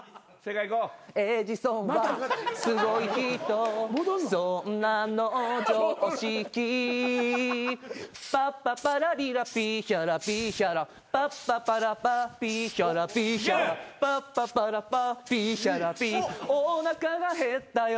「エジソンはすごい人そんなの常識」「パッパパラリラピーヒャラピーヒャラパッパパラパ」「ピーヒャラピーヒャラパッパパラパ」「ピーヒャラピお腹がへったよ」